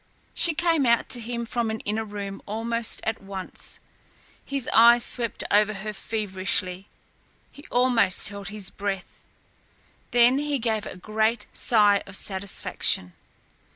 She came out to him from an inner room almost at once. His eyes swept over her feverishly. He almost held his breath. Then he gave a great sigh of satisfaction.